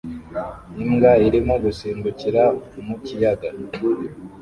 Imbwa irimo gusimbukira mu kiyaga